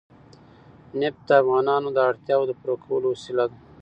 نفت د افغانانو د اړتیاوو د پوره کولو وسیله ده.